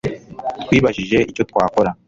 Twibajije icyo twakora